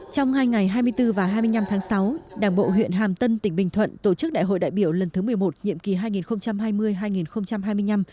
trong hai ngày hai mươi bốn và hai mươi năm tháng sáu đảng bộ huyện hàm tân tỉnh bình thuận tổ chức đại hội đại biểu lần thứ một mươi một nhiệm kỳ hai nghìn hai mươi hai nghìn hai mươi năm